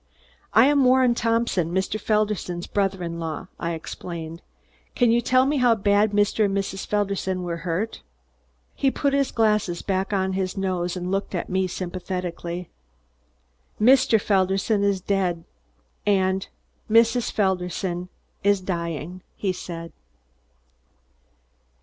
"I am Warren Thompson, Mr. Felderson's brother in law," I explained. "Can you tell me how badly Mr. and Mrs. Felderson were hurt?" He put his glasses back on his nose and looked at me sympathetically. "Mr. Felderson is dead, and Mrs. Felderson is dying," he said.